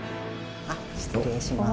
失礼します。